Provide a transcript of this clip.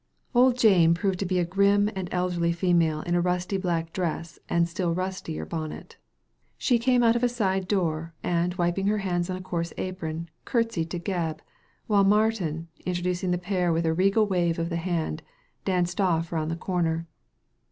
Old Jane proved to be a grim and elderly female in a rusty black dress and a still rustier bonnet She came out of a side door, and wiping her hands on a coarse apron, curtsied to Gebb, while Martin, in* troducing the pair with a regal wave of the hand, danced off round the corner.